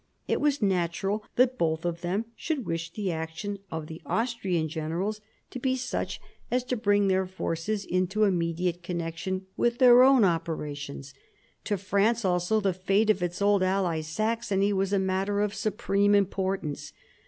It was natural that both of them should wish the action of the Austrian generals to be such as to bring their forces 156 MARIA THERESA chap, vn into immediate connection with their own operations. To France also the fate of its old ally Saxony was a matter of supreme importance.